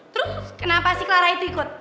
terus kenapa si clara itu ikut